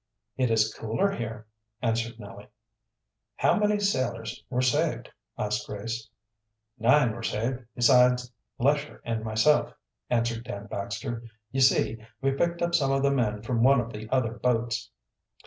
"It is cooler here," answered Nellie. "How many sailors were saved?" asked Grace. "Nine were saved, besides Lesher and myself," answered Dan Baxter. "You see, we picked up some of the men from one of the other boats."